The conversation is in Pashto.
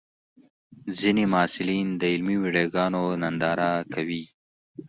ځینې محصلین د علمي ویډیوګانو ننداره کوي.